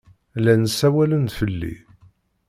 Llan ssawalen fell-i.